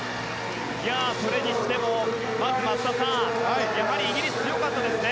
それにしても松田さんやはりイギリス強かったですね。